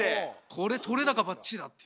これ撮れ高バッチリだっていう。